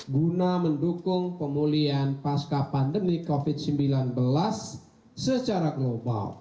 guna mendukung pemulihan pasca pandemi covid sembilan belas secara global